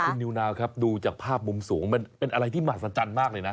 คุณนิวนาวครับดูจากภาพมุมสูงมันเป็นอะไรที่มหัศจรรย์มากเลยนะ